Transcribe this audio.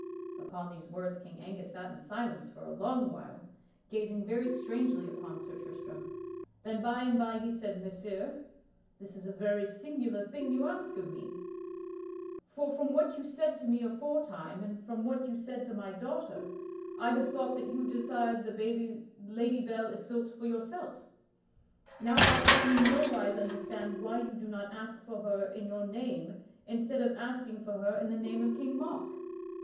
Upon these words, King Angus sat in silence for a long while, gazing very strangely upon Sir Tristram. Then by and by he said: "Messire, this is a very singular thing you ask of me; for from what you said to me aforetime and from what you said to my daughter I had thought that you desired the Lady Belle Isoult for yourself. Now I can in no wise understand why you do not ask for her in your name instead of asking for her in the name of King Mark."